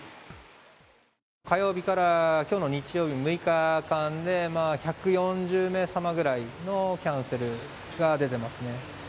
火曜日からきょうの日曜日、６日間で１４０名様ぐらいのキャンセルが出てますね。